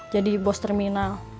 jadi bos terminal